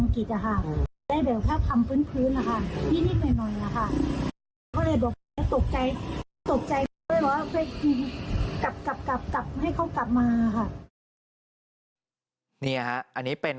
นี่อันนี้เป็นข้อมูลคุณชูนอน